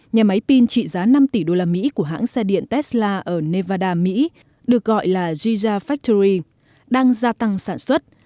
nhà máy pin trị giá năm tỷ đô la mỹ của hãng xe điện tesla ở nevada mỹ được gọi là giza factory đang gia tăng sản xuất